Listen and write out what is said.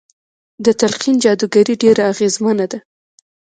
د تلقين جادوګري ډېره اغېزمنه ده.